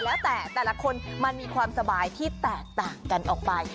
แล้วแต่แต่ละคนมันมีความสบายที่แตกต่างกันออกไป